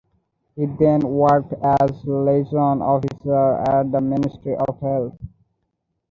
He then worked as Liaison Officer at the Ministry of Health.